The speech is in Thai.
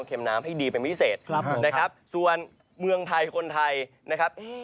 น้ำให้ดีเป็นพิเศษครับนะครับส่วนเมืองไทยคนไทยนะครับ